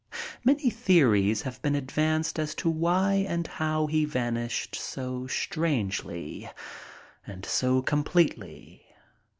Many theories have been advanced as to why and how he vanished so strangely and so completely.